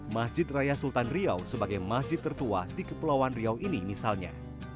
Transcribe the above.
masjid raya sultan riau sebagai masjid tertua di kepulauan riau ini misalnya